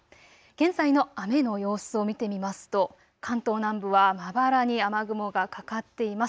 現在の雨の様子を見てみますと関東南部はまばらに雨雲がかかっています。